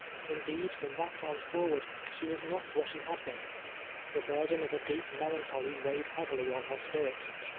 Indeed, from that time forward she was not what she had been. Tlie burden of a deep melancholy weigh ed heavily on her spirits.